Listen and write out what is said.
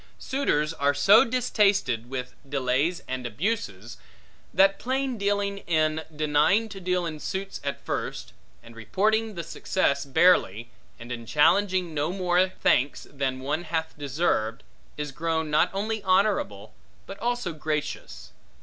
Suitors are so distasted with delays and abuses, that plain dealing, in denying to deal in suits at first, and reporting the success barely, and in challenging no more thanks than one hath deserved, is grown not only honorable, but also gracious.